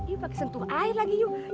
ibu pake sentuh air lagi yuk